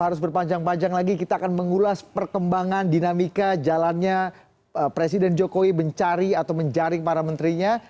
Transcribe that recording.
harus berpanjang panjang lagi kita akan mengulas perkembangan dinamika jalannya presiden jokowi mencari atau menjaring para menterinya